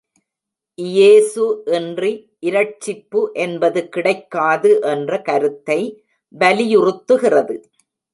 இயேசு இன்றி இரட்சிப்பு என்பது கிடைக்காது என்ற கருத்தை வலியுறுத்துகிறது.